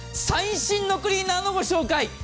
最新のクリーナーのご紹介。